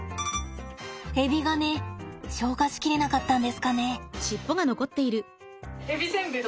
エビがね消化し切れなかったんですかね。